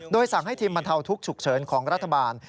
สั่งให้ทีมบรรเทาทุกข์ฉุกเฉินของรัฐบาล